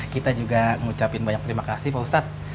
kita juga mengucapkan banyak terima kasih pak ustadz